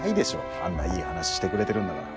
あんないい話してくれてるんだから。